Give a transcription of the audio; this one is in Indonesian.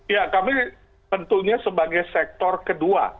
ya kami tentunya sebagai sektor kedua